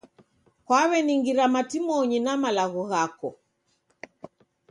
Kwaweningira matimonyi na malagho ghako